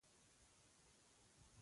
ستاسو لاسونه هغه څه هېڅکله نه شي وهلی.